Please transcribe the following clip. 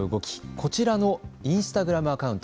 こちらのインスタグラムアカウント